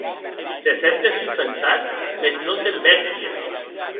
Te sentes ofensat, mès non t'embèsties.